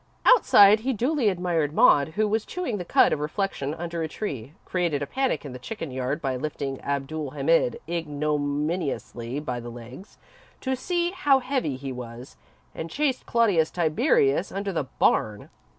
Outside, he duly admired Maud, who was chewing the cud of reflection under a tree, created a panic in the chicken yard by lifting Abdul Hamid ignominiously by the legs, to see how heavy he was, and chased Claudius Tiberius under the barn.